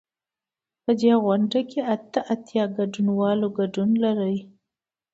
په دې غونډه کې اته اتیا ګډونوال ګډون لري.